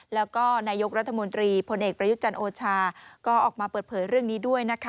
แล้วก็นายกรัฐมนตรีพลเอกประยุทธ์จันทร์โอชาก็ออกมาเปิดเผยเรื่องนี้ด้วยนะคะ